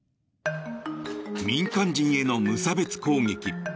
民間人への無差別攻撃。